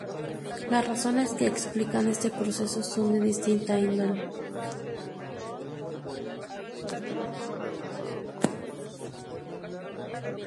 Las razones que explican este proceso son de distinta índole.